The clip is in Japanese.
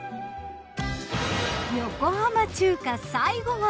横浜中華最後は。